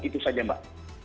itu saja mbak